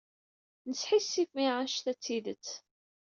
Nesḥissif imi anect-a d tidet.